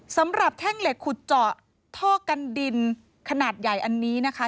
แท่งเหล็กขุดเจาะท่อกันดินขนาดใหญ่อันนี้นะคะ